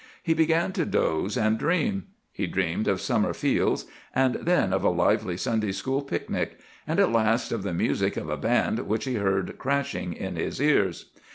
He began to doze and dream. He dreamed of summer fields, and then of a lively Sunday school picnic, and at last of the music of a band which he heard crashing in his ears.